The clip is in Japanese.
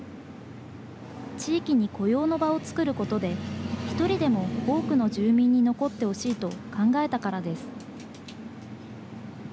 地域に雇用の場を作ることで、一人でも多くの住民に残ってほしいと考えたからです。